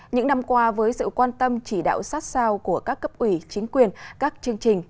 những năm qua với sự quan tâm chỉ đạo sát sao của các cấp ủy chính quyền các chương trình